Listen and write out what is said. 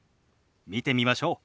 見てみましょう。